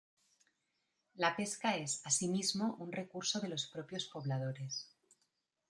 La pesca es asimismo un recurso de los propios pobladores.